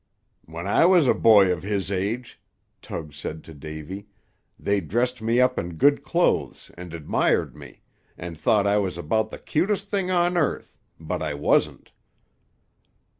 "When I was a boy of his age," Tug said to Davy, "they dressed me up in good clothes, and admired me, and thought I was about the cutest thing on earth, but I wasn't."